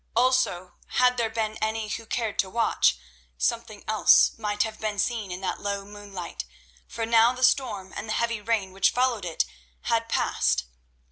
Also, had there been any who cared to watch, something else might have been seen in that low moonlight, for now the storm and the heavy rain which followed it had passed.